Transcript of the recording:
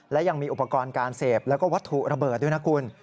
และยังมีอุปกรณ์การเสพแล้วก็วัตถุระเบิดด้วยนะคุณ